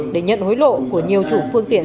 để nhận hối lộ của nhiều chủ phương tiện